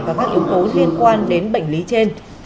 và các yếu tố liên quan đến bệnh lý trên